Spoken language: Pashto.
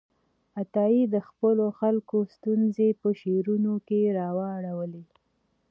عطايي د خپلو خلکو ستونزې په شعرونو کې راواړولې.